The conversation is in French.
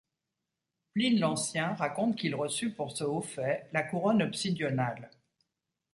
Pline l'Ancien raconte qu'il reçu pour ce haut fait la couronne obsidionale.